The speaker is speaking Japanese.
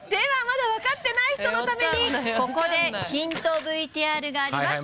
まだわかってない人のためにここでヒントＶＴＲがあります